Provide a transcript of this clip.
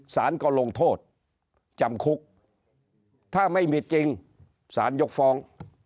สารก็ลงโทษจำคุกถ้าไม่มีจริงสารยกฟ้อง